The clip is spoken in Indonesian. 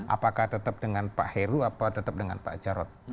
apakah tetap dengan pak heru atau tetap dengan pak jarod